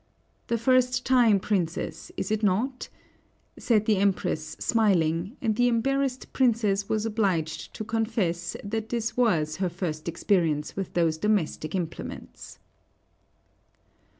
"The first time, Princess, is it not?" said the Empress, smiling, and the embarrassed Princess was obliged to confess that this was her first experience with those domestic implements.